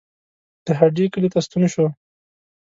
د هډې کلي ته ستون شو.